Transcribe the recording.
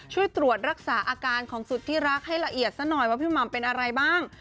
ช่วยตรวจรักษาอาการของสุดที่รักให้ละเอียดซะหน่อยว่าพี่หม่ำเป็นอะไรบ้าง